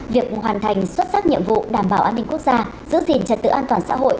việc hoàn thành xuất sắc nhiệm vụ đảm bảo an ninh quốc gia giữ gìn trật tự an toàn xã hội